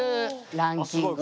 ランキングは。